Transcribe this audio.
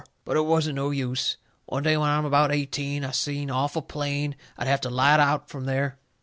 But it wasn't no use. One day when I'm about eighteen, I seen awful plain I'll have to light out from there.